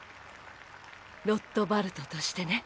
ロットバルトとしてね。